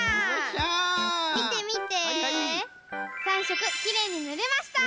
３しょくきれいにぬれました！